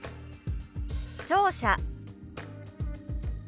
「聴者」。